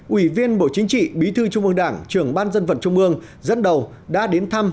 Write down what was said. ủy viên bộ chính trị bí thư trung ương đảng trưởng ban dân vận trung ương dẫn đầu đã đến thăm